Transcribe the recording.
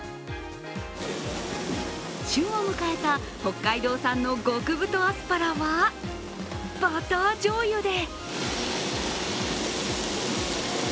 旬を迎えた北海道産の極太アスパラはバターじょうゆで。